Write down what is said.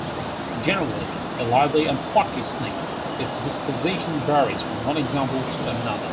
Generally a lively and plucky snake, its disposition varies from one example to another.